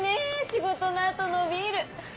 仕事の後のビール。